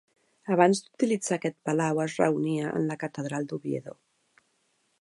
Abans d'utilitzar aquest palau es reunia en la Catedral d'Oviedo.